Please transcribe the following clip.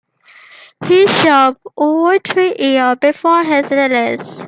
He served over three years before his release.